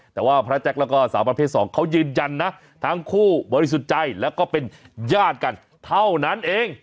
แต่ว่าพระแจ็คแล้วก็สาวประเภทสองเขายืนยันนะทั้งคู่บริสุทธิ์ใจแล้วก็เป็นญาติกันเท่านั้นเอง